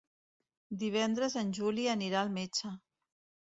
Divendres en Juli anirà al metge.